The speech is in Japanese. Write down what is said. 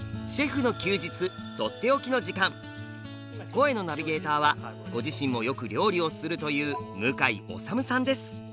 声のナビゲーターはご自身もよく料理をするという向井理さんです。